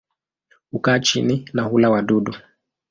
Hukaa chini na hula wadudu.